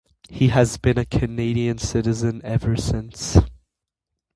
He has been a Canadian citizen ever since.